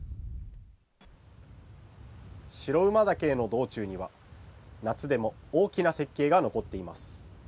白馬岳への道中には、夏でも大きな雪渓が残っています。